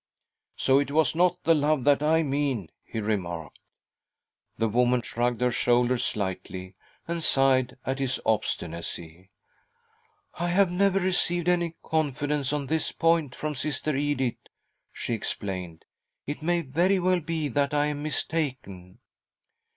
" So it was not the love that I mean," he remarked. The woman shrugged her shoulders .slightly and sighed at this obstinacy. " I have never received any confidence on this point from Sister Edith," she explained. "It may very well be that I am mistaken."